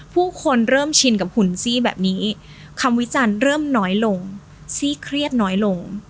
ผู้คนเริ่มชินกับหุ่นซี่แบบนี้คำวิจารณ์เริ่มน้อยลงซี่เครียดน้อยลง